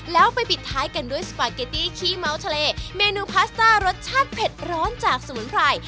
แล้วไปปิดท้ายกันด้วยสปาเกตตี้ขี้เมาส์ทะเลเมนูพาสต้ารสชาติเผ็ดร้อนจากสมุนไพร